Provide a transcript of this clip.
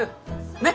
ねっ！